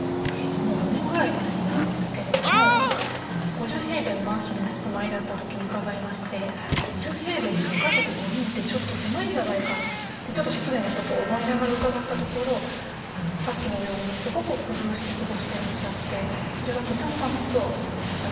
もう５年ぐらい前になるんですけれども５０のマンションにお住まいだった時に伺いまして５０にご家族５人ってちょっと狭いんじゃないかってちょっと失礼なことを思いながら伺ったところさっきのようにすごく工夫して過ごしてらっしゃってそれがとても楽しそうでいらっしゃった。